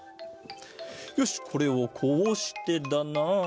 よしこれをこうしてだな。